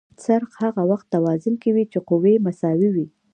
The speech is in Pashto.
څرخ هغه وخت توازن کې وي چې قوې مساوي وي.